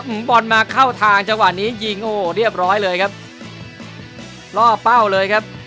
แล้วอุ๋มบอลมาเข้าทางจังหวัดนี้ยิงโอ้เรียบร้อยเลยครับรอบเป้าเลยครับ